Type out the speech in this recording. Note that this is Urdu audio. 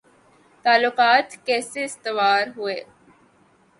تعلقات کیسے استوار ہوئے